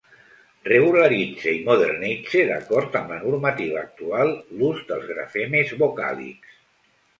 Regularitze i modernitze d’acord amb la normativa actual l’ús dels grafemes vocàlics.